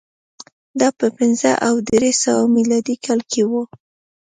دا په پنځه او درې سوه میلادي کال کې و